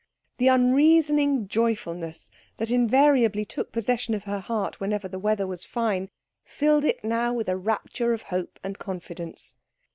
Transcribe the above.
The unreasoning joyfulness that invariably took possession of her heart whenever the weather was fine, filled it now with a rapture of hope and confidence.